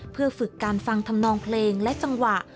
เพื่อฝึกการฟังธรรมนองเพลงและจังหวะ